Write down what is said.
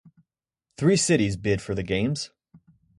Three cities bid for the Games.